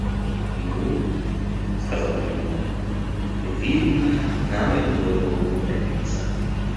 «Ну, – сказал комендант, – видно, нам от него толку не добиться.